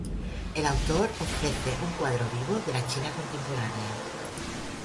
El autor ofrece un cuadro vivo de la china contemporánea.